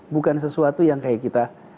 bukan sesuatu yang kayak kita